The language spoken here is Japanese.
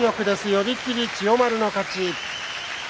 寄り切り、千代丸の勝ち。